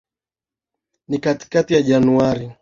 Ni katikati ya Januari.